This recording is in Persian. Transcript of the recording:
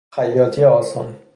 خیاطی آسان